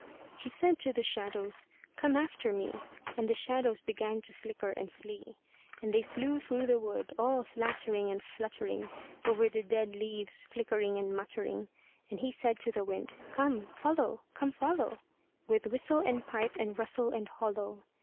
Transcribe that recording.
He said to the shadows, "Come after me;" And the shadows began to flicker and flee, And they flew through the wood all flattering and fluttering, Over the dead leaves flickering and muttering. And he said to the wind, "Come, follow; come, follow, With whistle and pipe, and rustle and hollo."